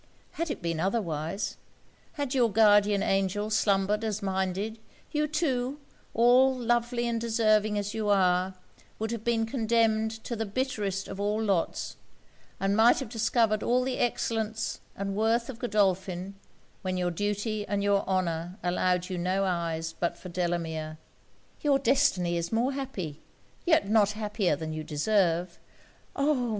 Had it been otherwise; had your guardian angel slumbered as mine did; you too, all lovely and deserving as you are, would have been condemned to the bitterest of all lots, and might have discovered all the excellence and worth of Godolphin, when your duty and your honour allowed you no eyes but for Delamere. Your destiny is more happy yet not happier than you deserve. Oh!